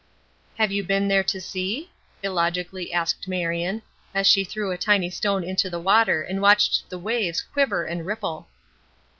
"Have you been there to see?" illogically asked Marion, as she threw a tiny stone into the water and watched the waves quiver and ripple.